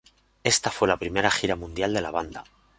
Esta fue la primera gira mundial de la banda.